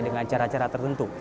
dengan cara cara tertentu